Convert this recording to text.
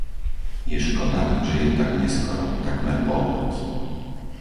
Je škoda, že je tak neskoro, takmer polnoc.